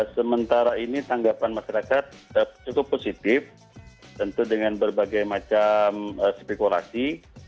sementara ini tanggapan masyarakat cukup positif tentu dengan berbagai macam spekulasi